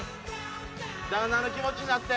ダンナの気持ちになって。